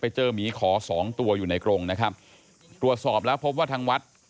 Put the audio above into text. เจอหมีขอสองตัวอยู่ในกรงนะครับตรวจสอบแล้วพบว่าทางวัด